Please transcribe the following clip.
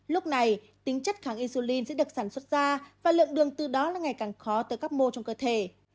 lúc này tính chất kháng insulin sẽ được sản xuất ra và lượng đường từ đó là ngày càng khó tới các mô trong cơ thể